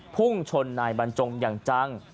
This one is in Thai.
พุ่งชนนายบรรจงอย่างจัง